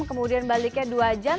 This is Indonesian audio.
kemudian baliknya dua jam